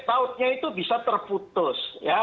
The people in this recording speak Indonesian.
sehingga itu bisa terputus